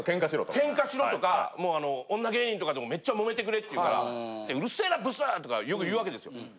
ケンカしろとか女芸人とかでもめっちゃモメてくれって言うから「うるせぇなブス！」とかよく言う訳ですよ。